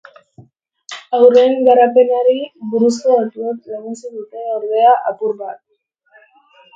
Haurren garapenari buruzko datuek laguntzen dute, ordea, apur bat.